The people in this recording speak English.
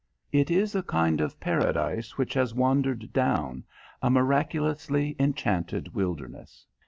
It is a kind of paradise which has wandered down, a miraculously enchanted wilderness.